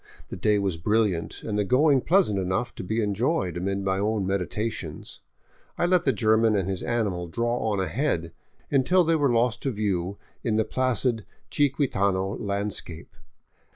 The day was brilliant, and the going pleasant enough to be enjoyed amid my own meditations. I let the German and his animal draw on ahead, until they were lost to view in the placid chiquitano landscape.